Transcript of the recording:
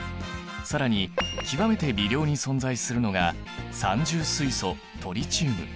更に極めて微量に存在するのが三重水素トリチウム。